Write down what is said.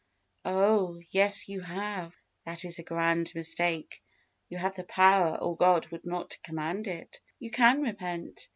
Oh! yes, you have. That is a grand mistake. You have the power, or God would not command it. You can repent.